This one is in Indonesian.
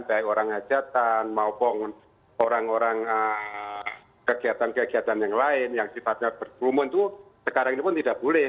baik orang hajatan maupun orang orang kegiatan kegiatan yang lain yang sifatnya berkerumun itu sekarang ini pun tidak boleh